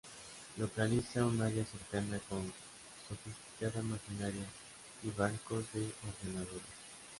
Localiza un área cercana con sofisticada maquinaria y bancos de ordenadores.